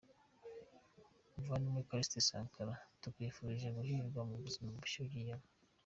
Muvandimwe Callixte Sankara tukwifurije guhirwa mubuzima bushya ugiyemo.